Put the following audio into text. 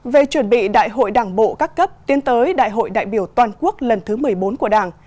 về chuẩn bị đại hội đảng bộ các cấp tiến tới đại hội đại biểu toàn quốc lần thứ một mươi bốn của đảng